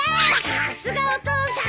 さすがお父さん。